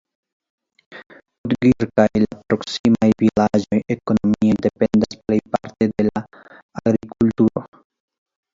Udgir kaj la proksimaj vilaĝoj ekonomie dependas plejparte de la agrikulturo.